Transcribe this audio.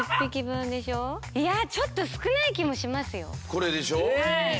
これでしょう？え！？